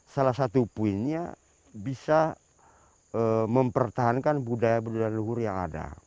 salah satu poinnya bisa mempertahankan budaya berlulur yang ada